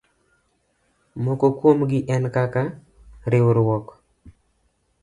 Moko kuomgi en kaka:riwruok